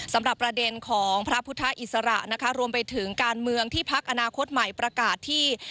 สำหรับประเด็นของพระพุทธอิสระนะคะรวมไปถึงการเมืองที่พักอนาคตใหม่ประกาศที่